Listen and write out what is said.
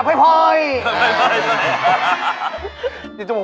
เพย์มาเร็วพีม